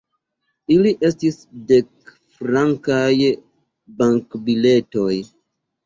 Ili estis dekfrankaj bankbiletoj.